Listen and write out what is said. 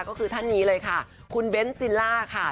ก็คือท่านนี้เลยค่ะคุณเบ้นซิลล่าค่ะ